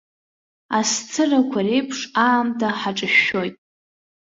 Ас цырақәа реиԥш, аамҭа ҳаҿышәшәоит.